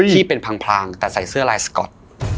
ที่เป็นพลางแต่ใส่เสื้อลายสก๊อต